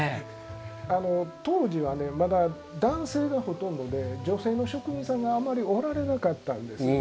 当時はまだ男性がほとんどで女性の職人さんがあまりおられなかったんですよ。